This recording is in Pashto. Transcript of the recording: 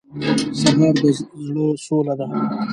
سهار د زړه سوله ده.